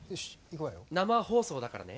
生放送だからね。